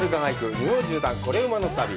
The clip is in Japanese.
日本縦断コレうまの旅」。